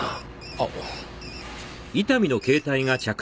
あっ。